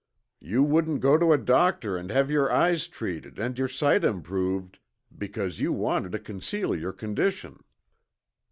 You wouldn't go to a doctor and have your eyes treated and your sight improved, because you wanted to conceal your condition."